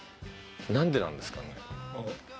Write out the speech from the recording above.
なんでなんですかね？